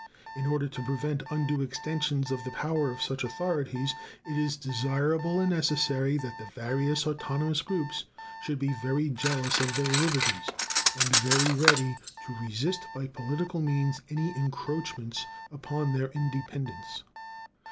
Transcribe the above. In order to prevent undue extension of the power of such authorities, it is desirable and necessary that the various autonomous groups should be very jealous of their liberties, and very ready to resist by political means any encroachments upon their independence.